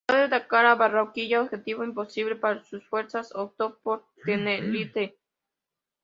En lugar de atacar a Barranquilla, objetivo imposible para sus fuerzas, optó por Tenerife.